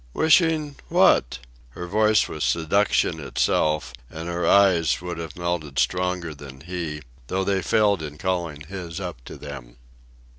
"Wishing? what?" Her voice was seduction itself, and her eyes would have melted stronger than he, though they failed in calling his up to them.